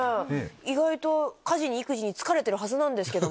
意外と家事に育児に疲れてるはずなんですけど。